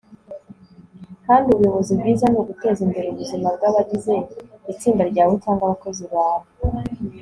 kandi ubuyobozi bwiza ni uguteza imbere ubuzima bw'abagize itsinda ryawe cyangwa abakozi bawe